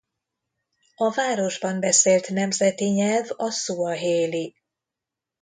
A városban beszélt nemzeti nyelv a szuahéli.